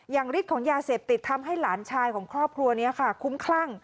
ฤทธิ์ของยาเสพติดทำให้หลานชายของครอบครัวนี้ค่ะคุ้มคลั่ง